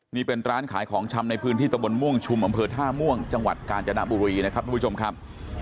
นี่เป็นร้านขายของชำในพื้นที่ตะบนม่วงชุมอำเภอท่าม่วงจังหวัดกาญจนบุรีนะครับทุกผู้ชมครับ